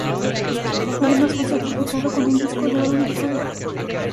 Además fue certificado con el disco de oro en Australia.